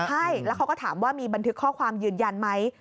ใช่แล้วเขาก็ถามว่ามีบันทึกข้อความยืนยันไหม